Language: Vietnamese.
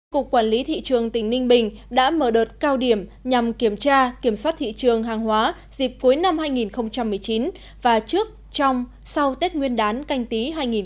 cục quản lý thị trường tỉnh ninh bình đã mở đợt cao điểm nhằm kiểm tra kiểm soát thị trường hàng hóa dịp cuối năm hai nghìn một mươi chín và trước trong sau tết nguyên đán canh tí hai nghìn hai mươi